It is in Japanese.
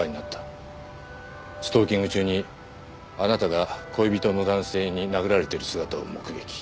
ストーキング中にあなたが恋人の男性に殴られている姿を目撃。